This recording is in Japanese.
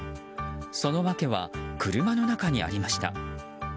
その訳は車の中にありました。